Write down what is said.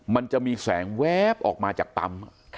มันจะมีแสงแวบออกมาจากปั๊ม